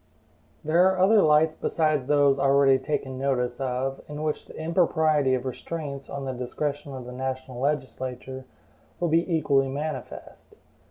There are other lights besides those already taken notice of, in which the impropriety of restraints on the discretion of the national legislature will be equally manifest.